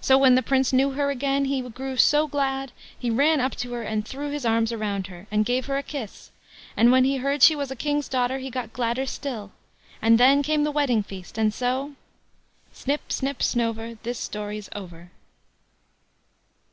So when the Prince knew her again, he grew so glad, he ran up to her and threw his arms round her, and gave her a kiss; and when he heard she was a King's daughter, he got gladder still, and then came the wedding feast; and so, Snip, snip, snover, This story's over.